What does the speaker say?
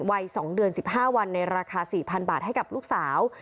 วัยสองเดือนสิบห้าวันในราคาสี่พันบาทให้กับลูกสาว